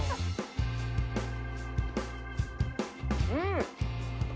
うん。